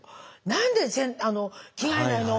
「何で着替えないの？